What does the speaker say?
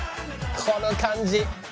この感じ！